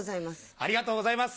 ありがとうございます。